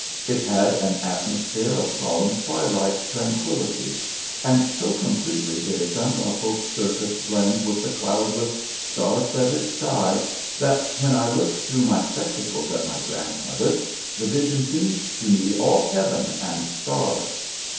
It had an atmosphere of solemn twilight tranquillity, and so completely did its unruffled surface blend with the cloudless, star studded sky, that, when I looked through my spectacles at my grandmother, the vision seemed to me all heaven and stars.